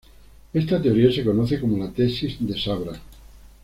Esta teoría se conoce como la "tesis de Sabra".